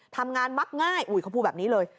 ทำงานวักง่ายอุ้ยเขาพูดแบบนี้เลย